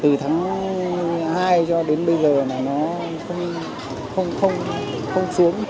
từ tháng hai cho đến bây giờ là nó không xuống